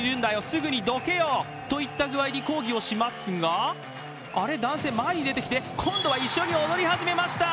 すぐにどけよといった具合に抗議をしますが、あれ、男性前に出てきて今度は一緒に踊り始めました。